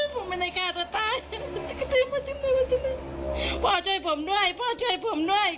ผมไม่ได้กล้าจะตายพ่อช่วยผมด้วยพ่อช่วยผมด้วย